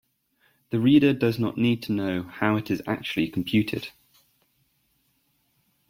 The reader does not need to know how it is actually computed.